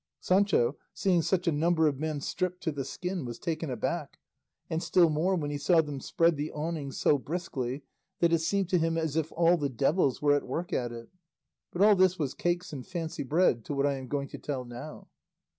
Sancho, seeing such a number of men stripped to the skin, was taken aback, and still more when he saw them spread the awning so briskly that it seemed to him as if all the devils were at work at it; but all this was cakes and fancy bread to what I am going to tell now.